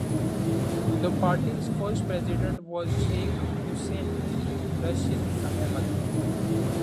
The party's first president was Sheikh Hussain Rasheed Ahmed.